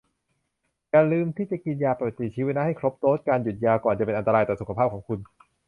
อย่าลืมที่จะกินยาปฏิชีวนะให้ครบโดส การหยุดยาก่อนจะเป็นอันตรายต่อสุขภาพของคุณ